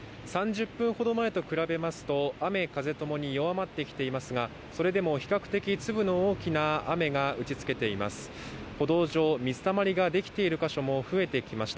３０分ほど前と比べますと雨風ともに弱まってきていますがそれでも比較的粒の大きな雨が打ちつけています